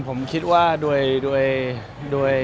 ผมคิดว่าด้วย